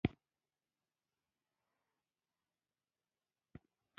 سیاسي نظام نور هم پراخ بنسټه شي.